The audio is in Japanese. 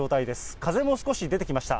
風も少し出てきました。